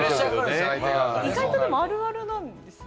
意外とあるあるなんですね。